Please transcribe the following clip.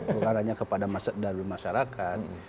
bukan hanya kepada mas sedar dan masyarakat